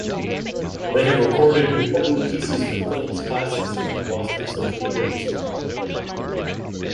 They have recorded important pieces for Philips Classics with the Boston Symphony Orchestra.